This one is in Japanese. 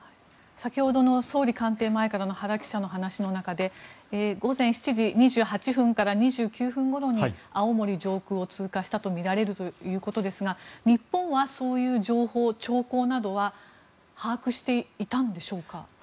先ほどの総理官邸前からの原記者からの話の中で午前７時２８分から２９分ごろに青森上空を通過したとみられるということですが日本はそういう兆候などは把握していたんでしょうか？